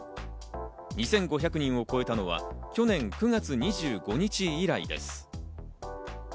２５００人を超えたのは去年９月２５日以来です。